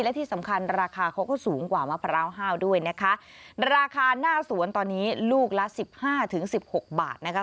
และที่สำคัญราคาเขาก็สูงกว่ามะพร้าวห้าวด้วยนะคะราคาหน้าสวนตอนนี้ลูกละสิบห้าถึงสิบหกบาทนะคะ